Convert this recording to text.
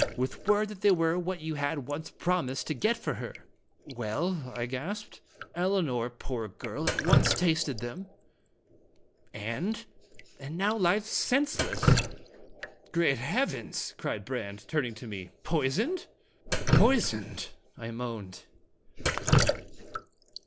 " With word that they were what you had once promised to get for her." "Well?" I gasped. ^Dramatic in 4flj) Stestinji. 115 " Elinor, poor girl, at once tasted them " "And "" and now lies senseless!" " Great heavens !" cried Brande, turning to me. "Poisoned?" " Poisoned !" I moaned.